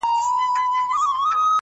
صادق زړه د وجدان ارامي لري,